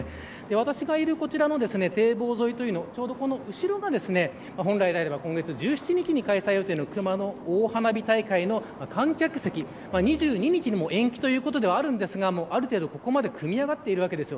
私がいるこちらの堤防沿いというのはちょうどこの後ろが本来であれば今月１７日に開催予定の熊野大花火大会の観客席２２日に延期ということではあるんですがある程度ここまで組み上がっているわけです。